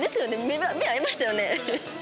目合いましたよね。